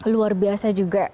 luar biasa juga